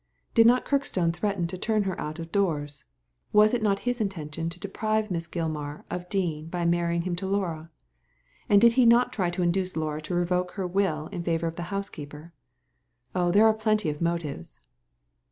"Did not Kirkstone threaten to turn her out of doors? Was is not his intention to deprive Miss Gilmar of Dean by marrying him to Laura? And did he not try to induce Laura to revoke her will in favour Digitized by Google COMMENTS ON THE CRIME 73 of the housekeeper? Oh, there are plenty of motives."